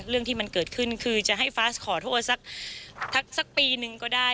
เรื่องที่มันเกิดขึ้นคือจะให้ฟ้าขอโทษสักปีนึงก็ได้